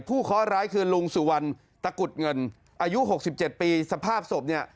เคาะร้ายคือลุงสุวรรณตะกุดเงินอายุ๖๗ปีสภาพศพเนี่ย